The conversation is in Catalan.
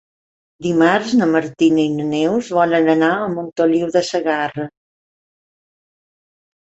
Dimarts na Martina i na Neus volen anar a Montoliu de Segarra.